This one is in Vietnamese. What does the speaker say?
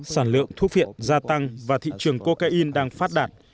sản lượng thuốc phiện gia tăng và thị trường cocaine đang phát đạt